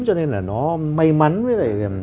cho nên là nó may mắn với